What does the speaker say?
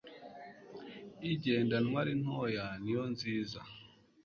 igendanwa ari ntoya niyo nziza